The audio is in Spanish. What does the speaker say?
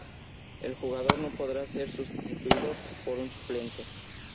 El jugador no podrá ser sustituido por un suplente.